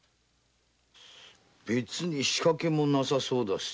別に仕掛けもなさそうだし。